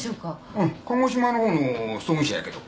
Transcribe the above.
あっ鹿児島の方の葬儀社やけど。